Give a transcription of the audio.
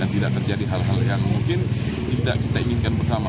tidak kita inginkan bersama